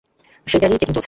সেটারই চেকিং চলছে।